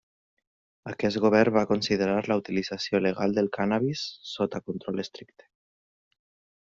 Aquest govern va considerar la utilització legal del cànnabis sota control estricte.